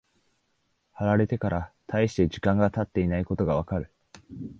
貼られてから大して時間が経っていないことがわかる。